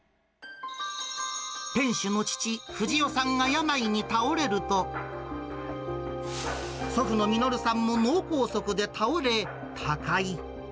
店主の父、富士夫さんが病に倒れると、祖父の實さんも脳梗塞で倒れ、他界。